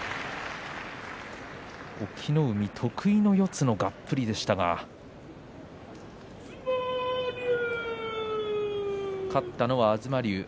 隠岐の海、得意の四つのがっぷりでしたが勝ったのは東龍です。